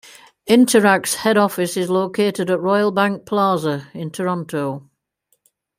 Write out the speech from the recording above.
Interac's head office is located at Royal Bank Plaza in Toronto.